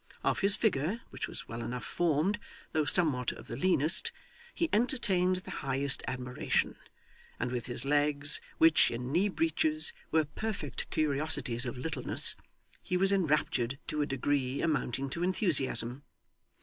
Of his figure, which was well enough formed, though somewhat of the leanest, he entertained the highest admiration; and with his legs, which, in knee breeches, were perfect curiosities of littleness, he was enraptured to a degree amounting to enthusiasm.